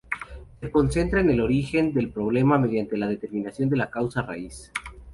Se concentra en el origen del problema mediante la determinación de la causa raíz.